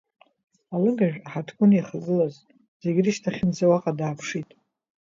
Алыгажә, аҳаҭгәын иахагылаз, зегь рышьҭахьынӡа уаҟа дааԥшит.